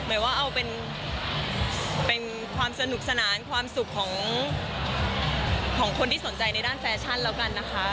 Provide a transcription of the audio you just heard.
หมายว่าเอาเป็นความสนุกสนานความสุขของคนที่สนใจในด้านแฟชั่นแล้วกันนะคะ